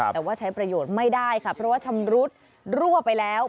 แต่ว่าใช้ประโยชน์ไม่ได้ค่ะเพราะว่าชำรุดรั่วไปแล้ว